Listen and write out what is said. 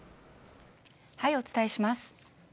はい、お伝えします。